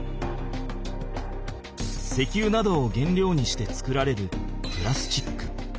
石油などを原料にして作られるプラスチック。